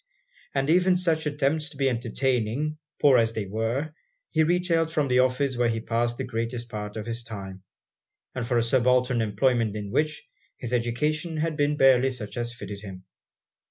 And even such attempts to be entertaining, poor as they were, he retailed from the office where he passed the greatest part of his time, and for a subaltern employment in which, his education had been barely such as fitted him.